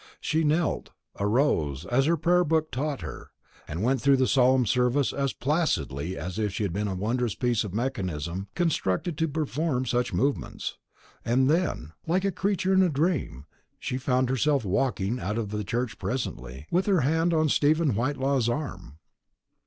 She knelt, or rose, as her prayer book taught her, and went through the solemn service as placidly as if she had been a wondrous piece of mechanism constructed to perform such movements; and then, like a creature in a dream, she found herself walking out of the church presently, with her hand on Stephen Whitelaw's arm.